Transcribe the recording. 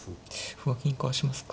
歩は銀かわしますかね。